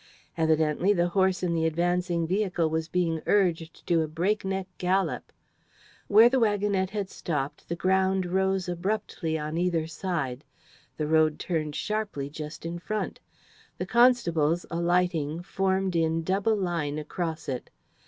Evidently the horse in the advancing vehicle was being urged to a breakneck gallop. Where the waggonette had stopped the ground rose abruptly on either side. The road turned sharply just in front. The constables, alighting, formed in double line across it.